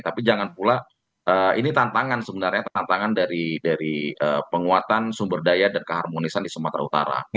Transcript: tapi jangan pula ini tantangan sebenarnya tantangan dari penguatan sumber daya dan keharmonisan di sumatera utara